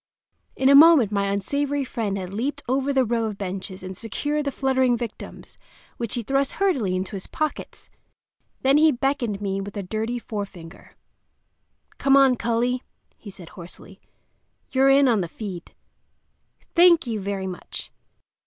In a moment my unsavory friend had leaped over the row of benches and secured the fluttering victims, which he thrust hurriedly into his pockets. Then he beckoned me with a dirty forefinger. "Come on, cully," he said hoarsely. "You're in on the feed." Thank you very much!